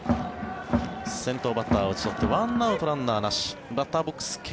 先頭バッターを打ち取ってランナーなし。